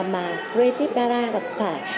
mà creative dara gặp phải